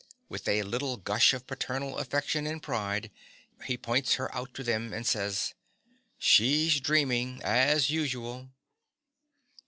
With a little gush of paternal affection and pride, he points her out to them and says_) She's dreaming, as usual.